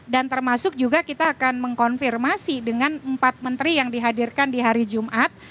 dan termasuk juga kita akan mengkonfirmasi dengan empat menteri yang dihadirkan di hari jumat